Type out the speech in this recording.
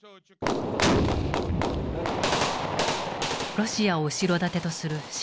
ロシアを後ろ盾とする親ロシア派